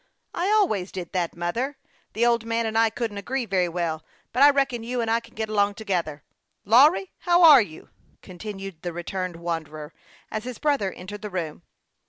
" I always did that, mother. The old man and I couldn't agree very well, but I reckon you and I can get along together. Lavvry, how are you ?" con tinued the returned wanderer, as his brother entered the room.